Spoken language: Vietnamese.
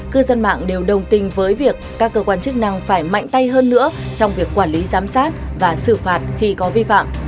cư dân mạng đều đồng tình với việc các cơ quan chức năng phải mạnh tay hơn nữa trong việc quản lý giám sát và xử phạt khi có vi phạm